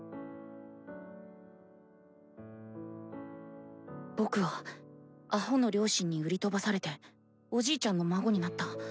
心の声僕はアホの両親に売り飛ばされておじいちゃんの孫になった。